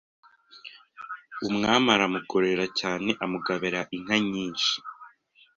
Umwami aramugororera cyane amugabira inka nyinshi